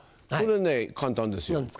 それね簡単ですよ。